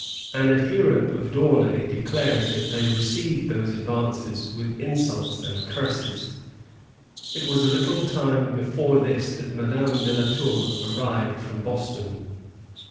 An adherent of D' Aunay declares that they rieceived these advances with insults and burses. It was a little before this time that Madame de la Tour arrived from Boston.